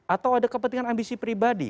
atau ada kepentingan ambisi pribadi